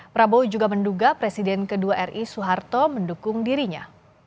prabowo juga menduga presiden kedua ri soeharto mendukung dirinya